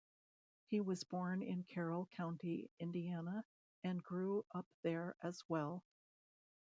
He was born in Carroll County, Indiana and grew up there as well.